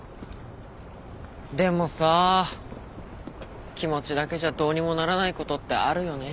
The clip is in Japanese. でもさ気持ちだけじゃどうにもならないことってあるよね。